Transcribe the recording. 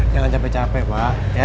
jangan capek capek pak